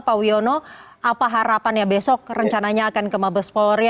pak wiono apa harapannya besok rencananya akan ke mabes polri